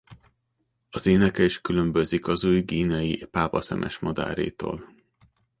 Az éneke is különbözik az új-guineai pápaszemesmadárétól.